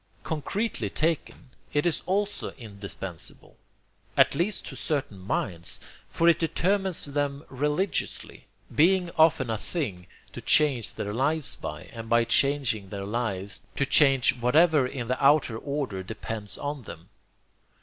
Concretely taken, it is also indispensable, at least to certain minds, for it determines them religiously, being often a thing to change their lives by, and by changing their lives, to change whatever in the outer order depends on them.